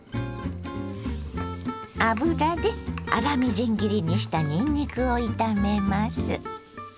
油で粗みじん切りにしたにんにくを炒めます。